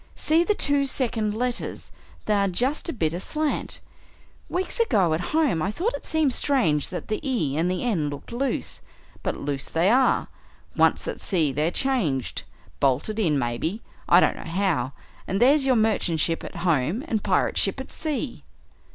"See the two second letters they are just a bit aslant. Weeks ago, at home, I thought it seemed strange that the E and the N looked loose. But loose they are! Once at sea they're changed bolted in, maybe, I don't know how and there's your merchant ship at home and pirate ship at sea!"